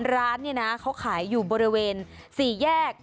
ร้านเขาขายอยู่บริเวณ๔แยก